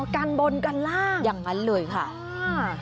กันบนกันล่าอย่างนั้นเลยค่ะอืม